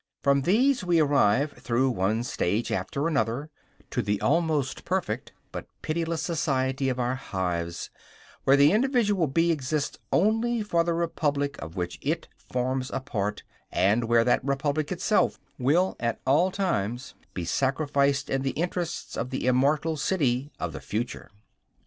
From these we arrive, through one stage after another, to the almost perfect but pitiless society of our hives, where the individual bee exists only for the republic of which it forms a part, and where that republic itself will at all times be sacrificed in the interests of the immortal city of the future.